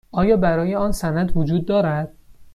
آیا برای آن سند وجود دارد؟